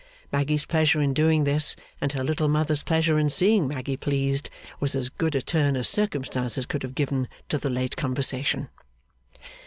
Maggy's pleasure in doing this and her little mother's pleasure in seeing Maggy pleased, was as good a turn as circumstances could have given to the late conversation.